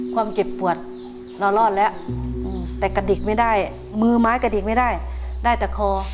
ความเจ็บปวดเรารอดแล้วแต่กระดิกไม่ได้มือไม้กระดิกไม่ได้ได้แต่คอ